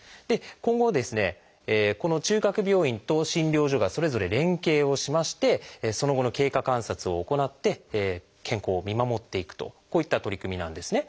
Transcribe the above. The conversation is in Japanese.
今後この中核病院と診療所がそれぞれ連携をしましてその後の経過観察を行って健康を見守っていくとこういった取り組みなんですね。